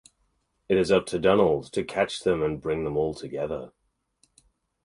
It is up to Donald to catch them and bring them all together.